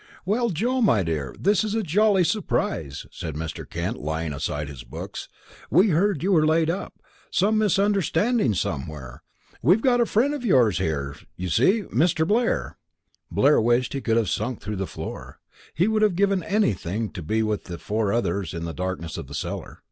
"Well, Joe, my dear, this is a jolly surprise," said Mr. Kent, laying aside his books. "We heard you were laid up. Some misunderstanding somewhere. We've got a friend of yours here, you see Mr. Blair." Blair wished he could have sunk through the floor. He would have given anything to be with the other four in the darkness of the cellar.